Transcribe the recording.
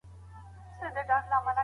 تاسو په نړۍ کي یو استثنايي انسان یاست.